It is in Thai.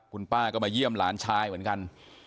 คุณป้าก็มาเยี่ยมหลานชายเหมือนกัน